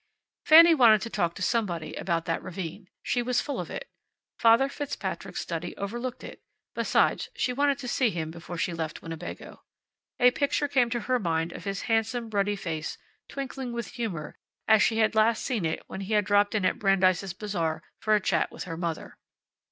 Fanny wanted to talk to somebody about that ravine. She was full of it. Father Fitzpatrick's study over looked it. Besides, she wanted to see him before she left Winnebago. A picture came to her mind of his handsome, ruddy face, twinkling with humor as she had last seen it when he had dropped in at Brandeis' Bazaar for a chat with her mother.